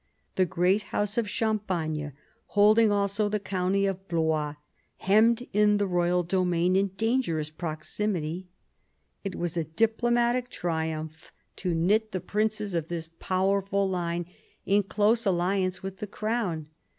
The great house of Champagne, holding also the county of Blois, hemmed in the royal domain in dangerous proximity. It was a diplomatic triumph to knit the princes of this 12 PHILIP AUGUSTUS chap. powerful line in close alliance with the crown.